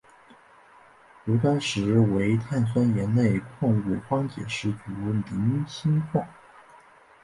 炉甘石为碳酸盐类矿物方解石族菱锌矿。